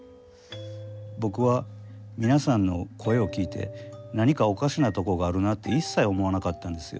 僕は皆さんの声を聴いて何かおかしなとこがあるなって一切思わなかったんですよ。